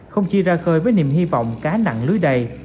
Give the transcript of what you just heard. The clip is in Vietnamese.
không chỉ ra khơi với niềm hy vọng cá nặng lưới đầy